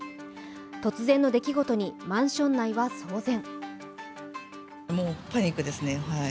突然の出来事にマンション内は騒然。